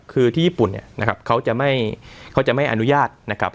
คือที่ญี่ปุ่นเนี่ยนะครับเขาจะไม่เขาจะไม่อนุญาตนะครับ